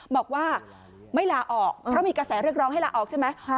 บอกว่าไม่ลาออกเพราะมีกระแสเรียกร้องให้ลาออกใช่ไหม